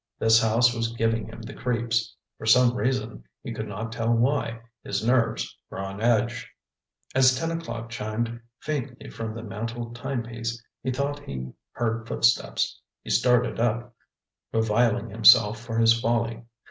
This house was giving him the creeps. For some reason, he could not tell why, his nerves were on edge. As ten o'clock chimed faintly from the mantel timepiece, he thought he heard footsteps. He started up, reviling himself for his folly.